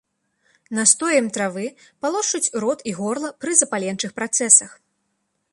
Настоем травы палошчуць рот і горла пры запаленчых працэсах.